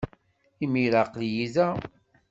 Imir-a, aql-iyi da.